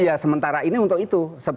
iya sementara ini untuk itu